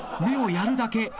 目をやるだけ。